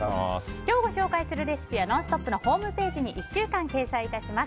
今日ご紹介するレシピは「ノンストップ！」のホームページに１週間掲載いたします。